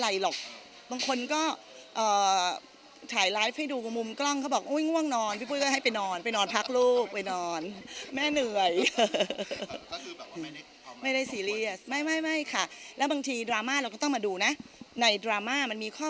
ไรหรอกบางคนก้อโอวอถ่ายไลฟ์ให้ดูกว่ามุมกล้องเขาบอก